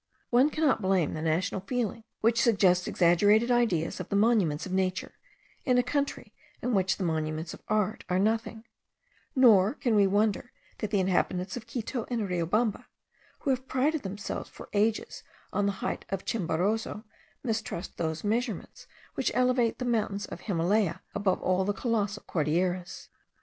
One cannot blame the national feeling which suggests exaggerated ideas of the monuments of nature, in a country in which the monuments of art are nothing; nor can we wonder that the inhabitants of Quito and Riobamba, who have prided themselves for ages on the height of Chimborazo, mistrust those measurements which elevate the mountains of Himalaya above all the colossal Cordilleras?